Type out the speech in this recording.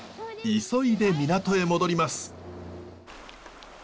急いで港へ戻ります。